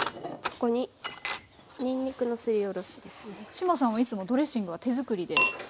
志麻さんはいつもドレッシングは手作りで？